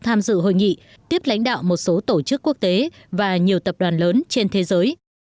tham dự hội nghị tiếp lãnh đạo một số tổ chức quốc tế và nhiều tập đoàn lớn trên thế giới